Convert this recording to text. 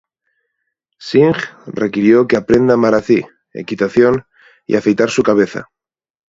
Singh requirió que aprenda Marathi, equitación, y afeitar su cabeza.